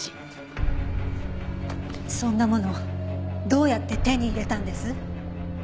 そんなものどうやって手に入れたんです？